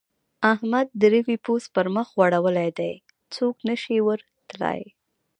احمد د روې پوست پر مخ غوړولی دی؛ څوک نه شي ور تلای.